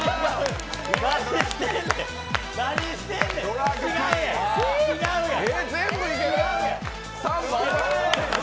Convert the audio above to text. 何してんねん、違うやん違うやん！！